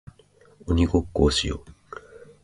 鬼ごっこをしよう